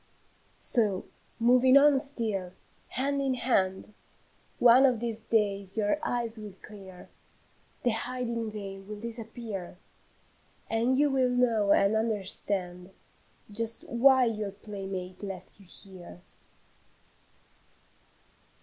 "So, moving on still, hand in hand, One of these days your eyes will clear, The hiding veil will disappear, And you will know and understand Just why your playmate left you here."